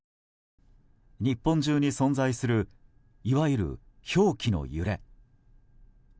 日本中に存在するいわゆる表記の揺れ。